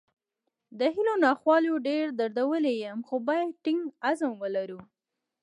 د هیواد ناخوالو ډېر دردولی یم، خو باید ټینګ عزم ولرو